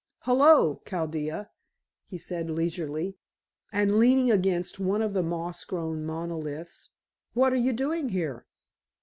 "Hullo, Chaldea," he said leisurely, and leaning against one of the moss grown monoliths, "what are you doing here?"